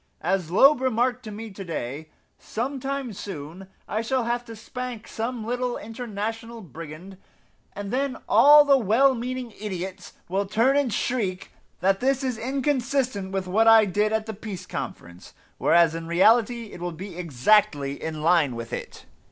As Loeb remarked to me to day, some time soon I shall have to spank some little international brigand, and then all the well meaning idiots will turn and shriek that this is inconsistent with what I did at the Peace Conference, whereas in reality it will be exactly in line with it."